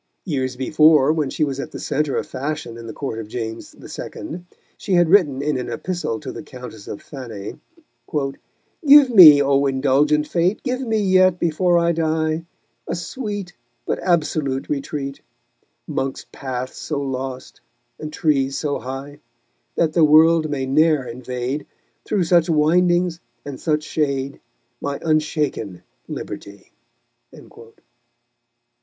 Years before, when she was at the centre of fashion in the Court of James II., she had written in an epistle to the Countess of Thanet: _Give me, O indulgent Fate, Give me yet, before I die, A sweet, but absolute retreat, 'Mongst paths so lost, and trees so high, That the world may ne'er invade, Through such windings and such shade, My unshaken liberty_.